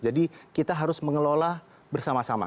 jadi kita harus mengelola bersama sama